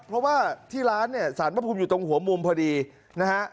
เพราะว่าที่ร้านเนี่ยสารพระภูมิอยู่ตรงหัวมุมพอดีนะฮะ